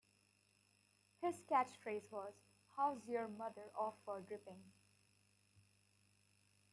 His catchphrase was How's yer mother off for dripping?